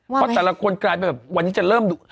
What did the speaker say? เพราะตลากวนกลายไปวันนี้จะเริ่มดู